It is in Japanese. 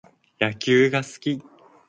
野球が好き